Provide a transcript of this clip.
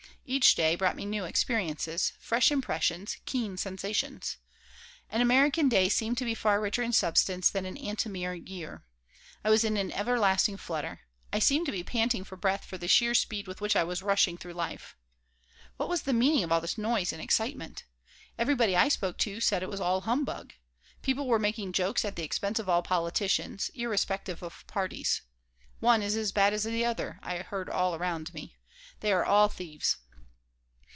Each day brought me new experiences, fresh impressions, keen sensations. An American day seemed to be far richer in substance than an Antomir year. I was in an everlasting flutter. I seemed to be panting for breath for the sheer speed with which I was rushing through life What was the meaning of all this noise and excitement? Everybody I spoke to said it was "all humbug." People were making jokes at the expense of all politicians, irrespective of parties. "One is as bad as the other," I heard all around me. "They are all thieves."